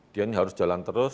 dia ini harus jalan terus